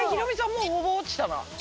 もうほぼ落ちたな。